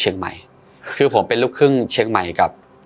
เฉียงไมคคือผมเป็นลูกครึ่งเชียงไมย์กับจันน้ำบุรี